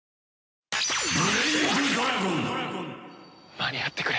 間に合ってくれ。